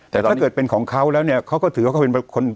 แต่ถ้าเกิดเป็นของเขาแล้วเนี่ยเขาก็ถือว่าเขาเป็นคน